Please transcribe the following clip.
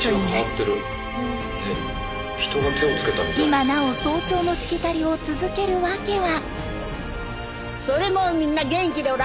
今なお早朝のしきたりを続ける訳は。